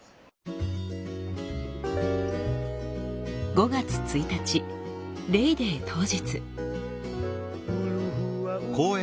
５月１日レイ・デー当日。